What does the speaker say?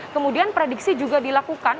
kemudian prediksi juga dilakukan